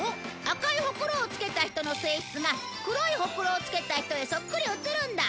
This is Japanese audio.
赤いほくろをつけた人の性質が黒いほくろをつけた人へそっくり移るんだ！